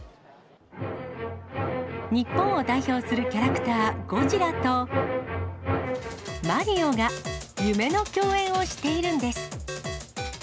日本を代表するキャラクター、ゴジラと、マリオが夢の共演をしているんです。